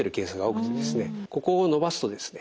ここを伸ばすとですね